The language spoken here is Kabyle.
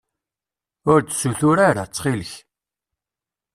Ur d-ssutur ara, ttxilk.